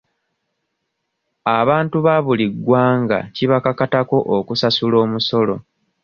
Abantu ba buli ggwanga kibakakatako okusasula omusolo.